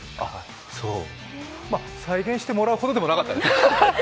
ま、再現してもらうほどでもなかったですね。